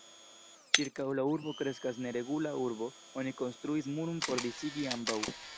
Ĉirkaŭ la urbo kreskas neregula urbo, oni konstruis muron por disigi ambaŭ.